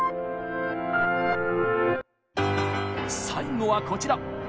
最後はこちら！